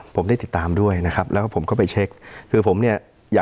ผมได้ติดตามด้วยนะครับแล้วก็ผมก็ไปเช็คคือผมเนี่ย